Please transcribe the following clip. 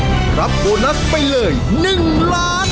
จะรับโบนัสไปเลย๑ล้านบาท